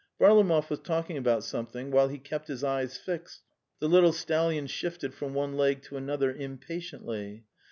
." Varlamoyv was talking about something, while he kept his eyes fixed. The little stallion shifted from one leg to another impatiently.